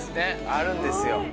あるんですよ。